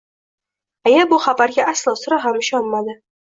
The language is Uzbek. Aya bu xabarga aslo, sira ham ishonmadi.